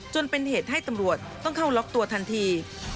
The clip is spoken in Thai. จนเป็นเหตุให้ตำรวจต้องเข้าล็อกตัวทันที